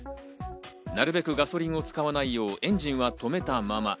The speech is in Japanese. なるべくガソリンを使わないようエンジンは止めたまま。